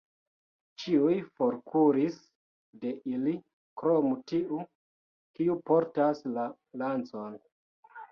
Ĉiuj forkuris de ili krom tiu, kiu portas la lancon.